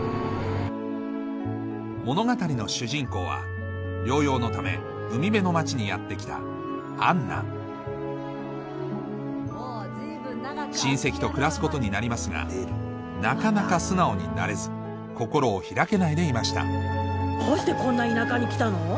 物語の主人公は療養のため海辺の町にやって来た杏奈親戚と暮らすことになりますがなかなか素直になれず心を開けないでいましたどうしてこんな田舎に来たの？